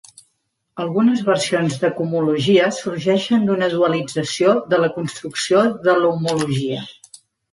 Algunes versions de cohomologia sorgeixen d'una dualització de la construcció de l'homologia.